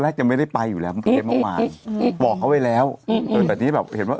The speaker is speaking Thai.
แรกยังไม่ได้ไปอยู่แล้วบอกเขาไว้แล้วแต่นี้แบบเห็นว่า